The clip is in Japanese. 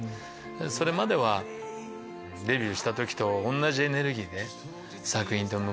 それまではデビューした時と同じエネルギーで作品と向かい合いたい。